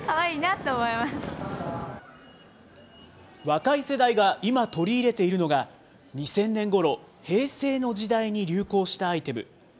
若い世代が今、取り入れているのが、２０００年ごろ、平成の時代に流行したアイテム。